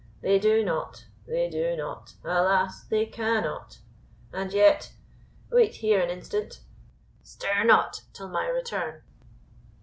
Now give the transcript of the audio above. They do not they do not Alas! they cannot. And yet wait here an instant stir not till my return."